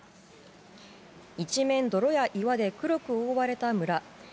一面、泥や岩で黒く覆われた村。